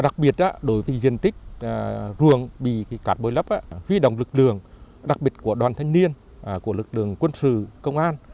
các ruộng bị cắt bôi lấp huy động lực lượng đặc biệt của đoàn thanh niên của lực lượng quân sự công an